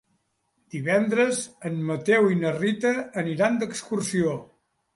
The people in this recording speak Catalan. Divendres en Mateu i na Rita aniran d'excursió.